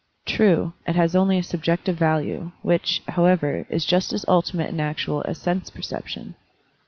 True, it has only a sub jective value, which, however, is just as ultimate and actual as sense perception.